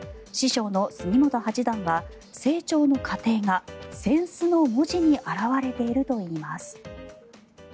師匠の杉本八段は成長の過程が扇子の文字に表れているといいます。